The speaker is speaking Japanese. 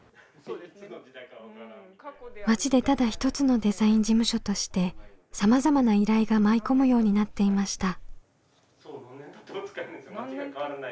町でただ一つのデザイン事務所としてさまざまな依頼が舞い込むようになっていました。